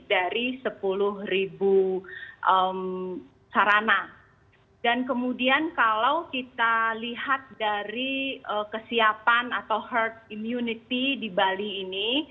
dan kemudian kalau kita lihat dari kesiapan atau herd immunity di bali ini